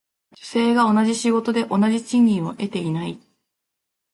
女性が同じ仕事で同じ賃金を得ていない。